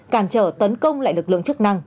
cản trở tấn công lại lực lượng chức năng